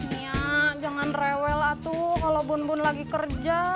nia jangan rewel atuh kalau bun bun lagi kerja